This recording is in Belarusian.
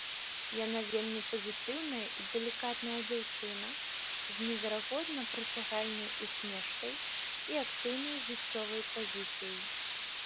Яна вельмі пазітыўная і далікатная дзяўчына з неверагодна прыцягальнай усмешкай і актыўнай жыццёвай пазіцыяй.